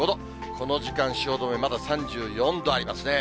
この時間、汐留、まだ３４度ありますね。